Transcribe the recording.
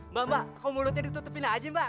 mbak mbak kalau mulutnya ditutupin aja mbak